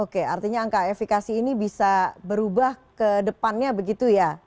oke artinya angka efekasi ini bisa berubah ke depannya begitu ya